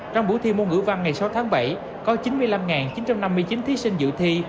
trong buổi thi môn ngữ văn ngày sáu tháng bảy có chín mươi năm chín trăm năm mươi chín thí sinh dự thi